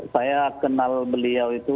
saya kenal beliau itu